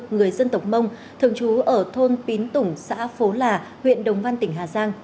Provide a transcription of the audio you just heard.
người dân tộc mông thường trú ở thôn pín tủng xã phố là huyện đồng văn tỉnh hà giang